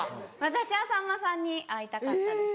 私はさんまさんに会いたかったです。